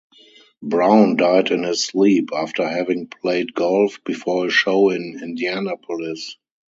Brown died in his sleep, after having played golf, before a show in Indianapolis.